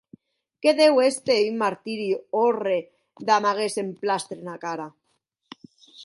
Que deu èster en un martiri òrre damb aguest emplastre ena cara.